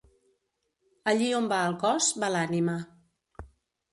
Allí on va el cos, va l'ànima.